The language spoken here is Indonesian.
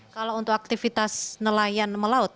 kalau untuk aktivitas nelayan melaut